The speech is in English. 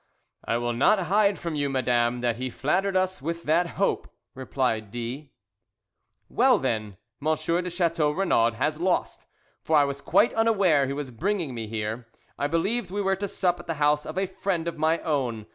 "I will not hide from you, madame, that he flattered us with that hope," replied D . "Well, then, M. de Chateau Renaud has lost, for I was quite unaware he was bringing me here. I believed we were to sup at the house of a friend of my own.